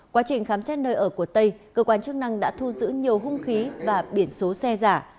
quá trình khám xét nơi ở của tây cơ quan chức năng đã thu giữ nhiều hung khí và biển số xe giả